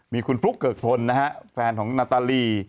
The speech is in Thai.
มีคุณฟลุ๊กเกิกพลนะฮะแฟนของนาตาลี